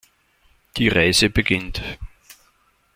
Die Reise beginnt.